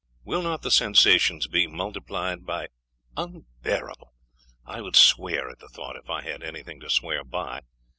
Will not the sensations be multiplied by unbearable! I would swear at the thought, if I had anything to swear by!